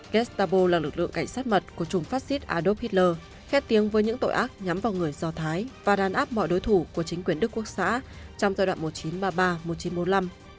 estabo là lực lượng cảnh sát mật của chủng fascist addow hitler khép tiếng với những tội ác nhắm vào người do thái và đàn áp mọi đối thủ của chính quyền đức quốc xã trong giai đoạn một nghìn chín trăm ba mươi ba một nghìn chín trăm bốn mươi năm